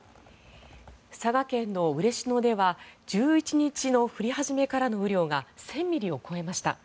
佐賀県の嬉野では１１日の降り始めからの雨量が１０００ミリを超えました。